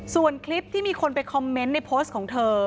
ส่วนคลิปที่มีคนไปคอมเมนต์ในโพสต์ของเธอ